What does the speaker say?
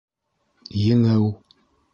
Еңеү